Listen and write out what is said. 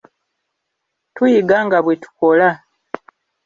Tuyiga nga bwe tukola.